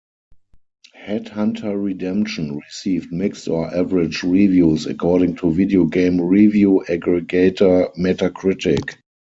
"Headhunter Redemption" received "mixed or average" reviews, according to video game review aggregator Metacritic.